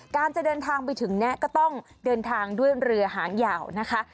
การจะเดินทางไปถึงเนี่ยก็ต้องเดินทางด้วยเรือหางยาวนะคะ